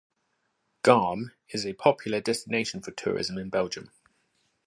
Gaume is a popular destination for tourism in Belgium.